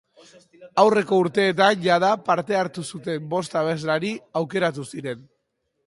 Aurreko urteetan jada parte hartu zuten bost abeslari aukeratu ziren.